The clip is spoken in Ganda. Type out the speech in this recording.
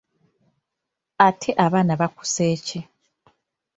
Ate abaana bakusse ki?